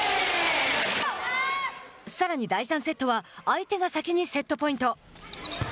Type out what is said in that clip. さらに第３セットは相手に先にセットポイント。